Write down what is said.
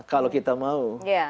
kalau kita mau